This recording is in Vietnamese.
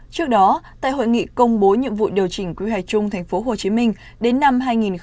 trước đó tại hội nghị công bố nhiệm vụ điều chỉnh quy hoạch chung tp hcm đến năm hai nghìn ba mươi